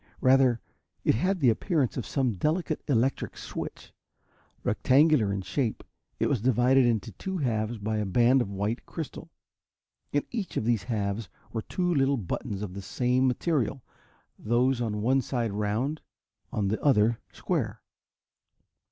Rather it had the appearance of some delicate electric switch. Rectangular in shape, it was divided into two halves by a band of white crystal. In each of these halves were two little buttons of the same material, those on one side round, on the other square.